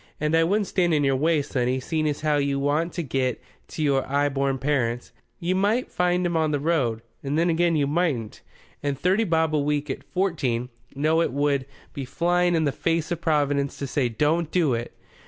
And I wouldn't stand in your way, sonny, seeing as how you want to get to your 'igh born parents. You might find 'em on the road, and then again you mightn't. And thirty bob a week at fourteen no it would be flying in the face of Providence to say 'don't do it!